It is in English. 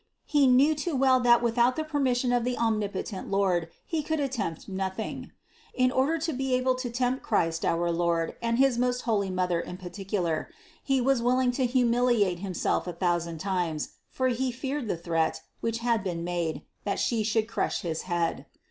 He knew too well that without the permission of the omnipotent Lord he could attempt nothing. In order to be able to tempt Christ our Lord, and his most holy Mother in particular, he was willing to humiliate himself a thousand times, for he feared the threat, which had been made, that She should crush his head.